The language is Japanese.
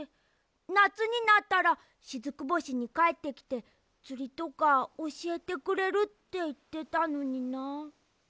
なつになったらしずく星にかえってきてつりとかおしえてくれるっていってたのにな。